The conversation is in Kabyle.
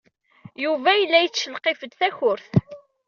Yuba yella yettcelqif-d takurt.